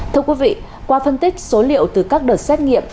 thưa quý vị qua phân tích số liệu từ các đợt xét nghiệm